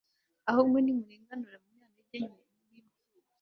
ahubwo nimurenganure abanyantege nke n'impfubyi